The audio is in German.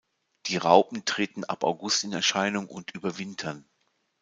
Die Raupen treten ab August in Erscheinung und überwintern.